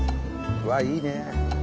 うわっいいね。